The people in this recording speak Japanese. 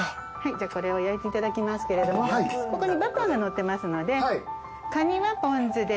じゃあこれを焼いていただきますけれどもここにバターがのってますので蟹はポン酢で。